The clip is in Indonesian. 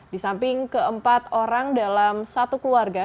di samping keempat orang dalam satu keluarga